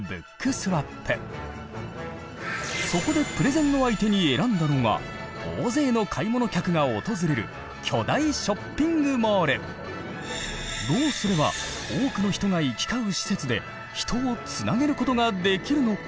そこでプレゼンの相手に選んだのが大勢の買い物客が訪れるどうすれば多くの人が行き交う施設で人をつなげることができるのか。